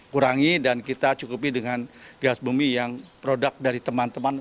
kurangi dan kita cukupi dengan gas bumi yang produk dari teman teman